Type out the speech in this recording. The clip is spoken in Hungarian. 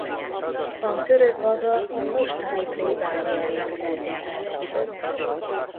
A török aga a mostani plébánia épületében lakott.